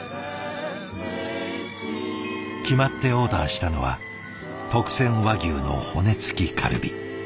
決まってオーダーしたのは特選和牛の骨付きカルビ。